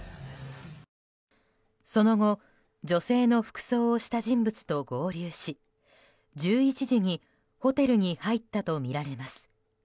その後女性の服装をした人物と合流し１１時にホテルに入ったとみられます。